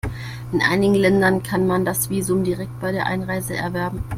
In einigen Ländern kann man das Visum direkt bei der Einreise erwerben.